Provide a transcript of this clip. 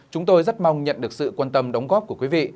chúng tôi rất mong nhận được sự quan tâm đóng góp của quý vị